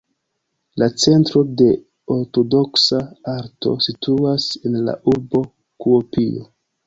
La Centro de Ortodoksa Arto situas en la urbo Kuopio.